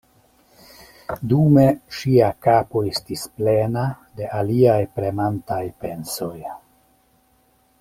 Dume ŝia kapo estis plena de aliaj premantaj pensoj.